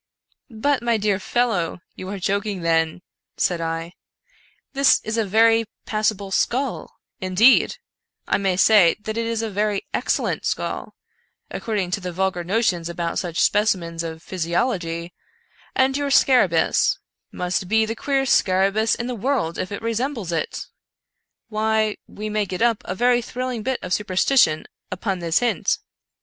" But, my dear fellow, you are joking then," said I, " this is a very passable skull — indeed, I may say that it is a very excellent skull, according to the vulgar notions about such specimens of physiology — and your scarabceus must be the queerest scarabceus in the world if it resembles it. Why, we may get up a very thrilling bit of superstition upon this hint.